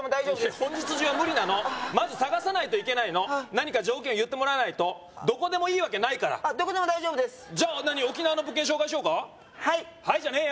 本日中は無理なのまず探さないといけないの何か条件言ってもらわないとどこでもいいわけないからあっどこでも大丈夫ですじゃあ沖縄の物件紹介しようかはい「はい」じゃねえよ！